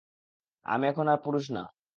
আমি এখন আর পুরুষ না।